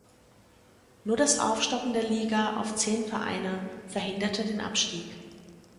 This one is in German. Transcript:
Nur das Aufstocken der Liga auf zehn Vereine verhinderte den Abstieg.